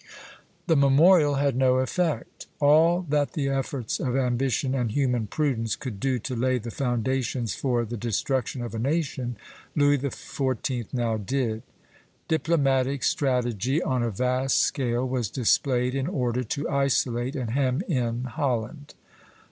" The memorial had no effect. "All that the efforts of ambition and human prudence could do to lay the foundations for the destruction of a nation, Louis XIV. now did. Diplomatic strategy on a vast scale was displayed in order to isolate and hem in Holland.